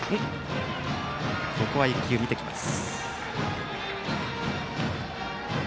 ここは１球、見てきます。